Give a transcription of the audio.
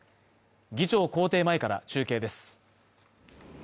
議長公邸前から中継です